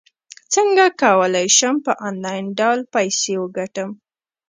څنګه کولی شم په انلاین ډول پیسې وګټم